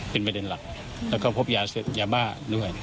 เป็นประเด็นหลักแล้วก็พบยาบ้าด้วย